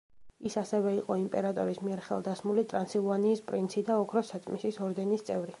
ის ასევე იყო იმპერატორის მიერ ხელდასმული ტრანსილვანიის პრინცი და ოქროს საწმისის ორდენის წევრი.